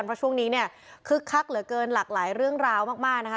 เพราะช่วงนี้เนี่ยคึกคักเหลือเกินหลากหลายเรื่องราวมากนะคะ